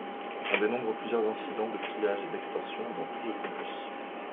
On dénombre plusieurs incidents de pillage et d'extorsion dans tout le comté.